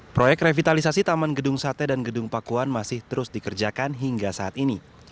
proyek revitalisasi taman gedung sate dan gedung pakuan masih terus dikerjakan hingga saat ini